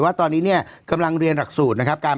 ว่าตอนนี้เนี่ยกำลังเรียนหลักสูตรนะครับ